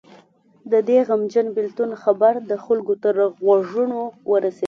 د دې غمجن بېلتون خبر د خلکو تر غوږونو ورسېد.